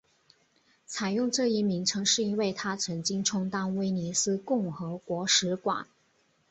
采用这一名称是因为它曾经充当威尼斯共和国使馆。